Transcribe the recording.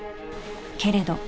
［けれど］